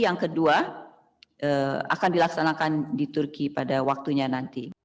yang kedua akan dilaksanakan di turki pada waktunya nanti